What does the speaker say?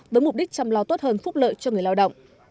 với mục đích chăm lo tốt hơn phúc lợi cho người lao động